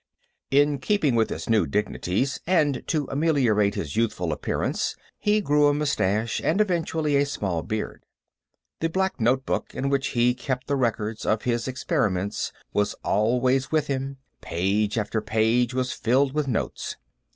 In keeping with his new dignities, and to ameliorate his youthful appearance, he grew a mustache and, eventually, a small beard. The black notebook in which he kept the records of his experiments was always with him; page after page was filled with notes.